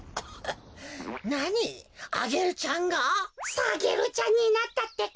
サゲルちゃんになったってか。